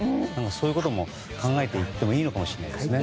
そういうことも考えていってもいいかもしれないですね。